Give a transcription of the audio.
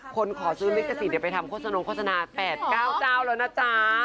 ขอซื้อลิขสิทธิ์ไปทำโฆษณงโฆษณา๘๙เจ้าแล้วนะจ๊ะ